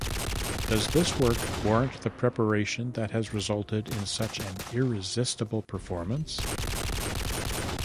Does this work warrant the preparation that has resulted in such an irresistible performance?